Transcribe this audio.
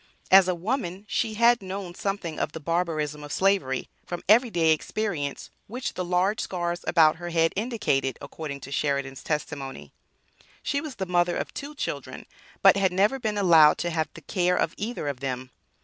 As a woman she had known something of the "barbarism of slavery", from every day experience, which the large scars about her head indicated according to Sheridan's testimony. She was the mother of two children, but had never been allowed to have the care of either of them.